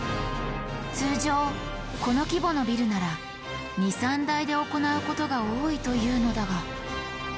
通常この規模のビルなら２３台で行うことが多いというのだが。